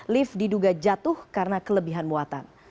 lift diduga jatuh karena kelebihan muatan